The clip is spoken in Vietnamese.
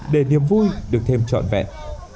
để niềm vui được thêm trọn vẹn